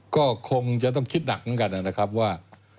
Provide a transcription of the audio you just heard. ก็คงจะต้องคิดหนักเหมือนกันนะครับว่า